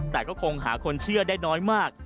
แต่ก็คงหาคนเชื่อได้น้อยมาก